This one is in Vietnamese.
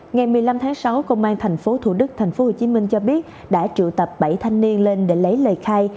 ngày một mươi năm tháng sáu công an thành phố thủ đức thành phố hồ chí minh cho biết đã trự tập bảy thanh niên lên để lấy lời khai